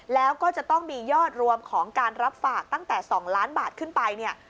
แล้วก็จะต้องมียอดรวมของการรับฝากตั้งแต่๒ล้านบาทขึ้นไปเนี่ย